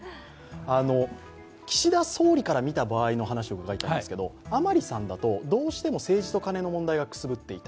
岸田総理から見た場合の話を伺いたいんですけれども、甘利さんだと、どうしても政治とカネの問題がくすぶっていた。